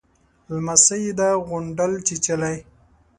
_لمسۍ يې ده، غونډل چيچلې.